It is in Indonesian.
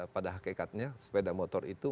pada hakikatnya sepeda motor itu